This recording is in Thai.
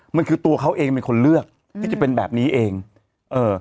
มันคือตัวเขาเองเป็นคนเลือกที่จะเป็นแบบนี้เองเออ